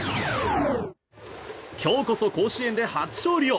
今日こそ甲子園で初勝利を。